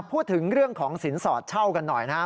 พูดถึงเรื่องของสินสอดเช่ากันหน่อยนะครับ